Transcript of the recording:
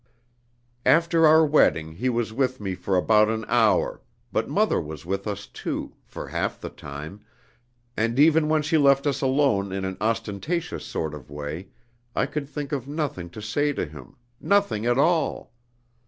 "After our wedding he was with me for about an hour, but mother was with us too, for half the time, and even when she left us alone in an ostentatious sort of way, I could think of nothing to say to him, nothing at all.